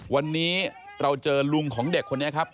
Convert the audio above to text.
วันนี้เราเจอลุงของเด็กคนนี้ครับ